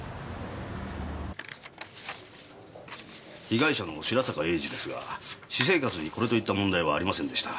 被害者の白坂英治ですが私生活にこれといった問題はありませんでした。